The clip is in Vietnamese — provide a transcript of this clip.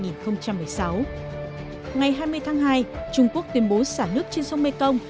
ngày hai mươi tháng hai trung quốc tuyên bố xả nước trên sông mekong